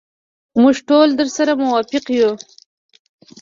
موږ ټول درسره موافق یو.